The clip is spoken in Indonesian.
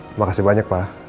terima kasih banyak pak